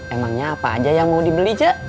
emangnya apa aja yang mau dibeli cak